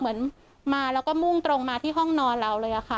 เหมือนมาแล้วก็มุ่งตรงมาที่ห้องนอนเราเลยค่ะ